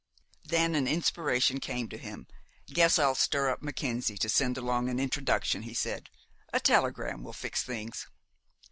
Then an inspiration came to him. "Guess I'll stir up Mackenzie to send along an introduction," he said. "A telegram will fix things."